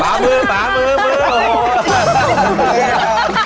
ป๊ามือ